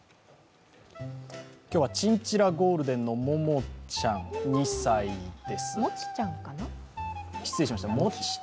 今日はチンチラゴールデンのもちちゃん、２歳雌。